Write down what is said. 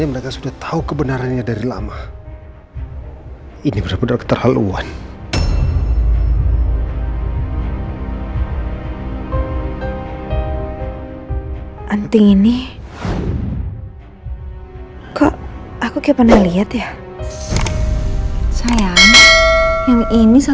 sampai jumpa di video selanjutnya